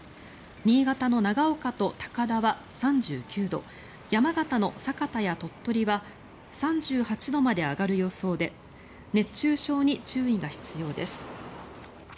新潟の長岡と高田は３９度山形の酒田や鳥取は３８度まで上がる予想で熱中症に注意が必要です。